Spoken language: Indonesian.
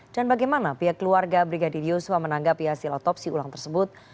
dan bagaimana pihak keluarga brigadir yosua menanggapi hasil otopsi ulang tersebut